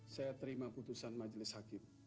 saya terima putusan majelis hakim